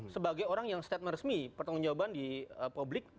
sebagai orang yang statement resmi pertanggung jawaban di publik